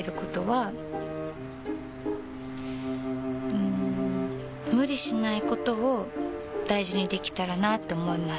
うん無理しないことを大事にできたらなって思います。